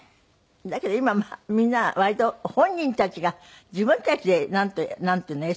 だけど今みんな割と本人たちが自分たちでなんていうの？